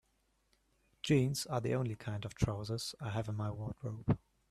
Jeans are the only kind of trousers I have in my wardrobe.